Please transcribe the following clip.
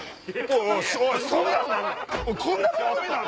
こんな番組なん